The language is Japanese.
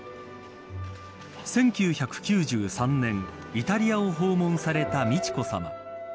１９９３年イタリアを訪問された美智子さま。